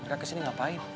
mereka kesini ngapain